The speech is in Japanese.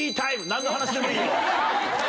何の話でもいいよ。